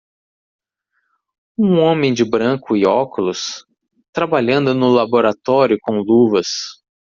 Um homem de branco e óculos, trabalhando no laboratório com luvas